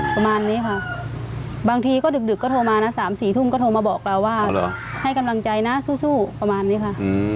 ประมาณนี้ค่ะบางทีก็ดึกก็โทรมานะ๓๔ทุ่มก็โทรมาบอกเราว่าให้กำลังใจนะสู้ประมาณนี้ค่ะ